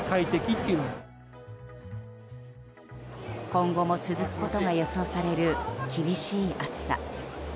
今後も続くことが予想される厳しい暑さ。